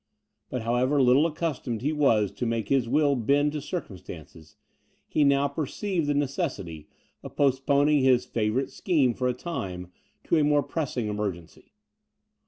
But, however little accustomed he was to make his will bend to circumstances, he now perceived the necessity of postponing his favourite scheme for a time, to a more pressing emergency.